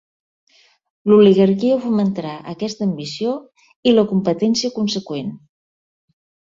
L'oligarquia fomentarà aquesta ambició i la competència conseqüent.